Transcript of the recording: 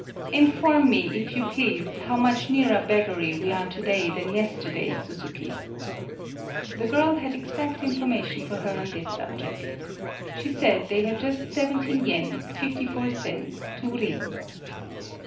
" Inform me, if you please, how much nearer beggary we are to day than yester day, Suzuki." The girl had exact information for her on this subject. She said they had just seven teen yen, fifty four sen, two rin.